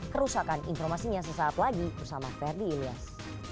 kerusakan informasinya sesaat lagi bersama ferdi ilyas